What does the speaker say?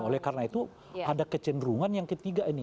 oleh karena itu ada kecenderungan yang ketiga ini